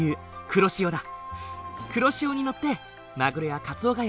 黒潮に乗ってマグロやカツオがやって来る。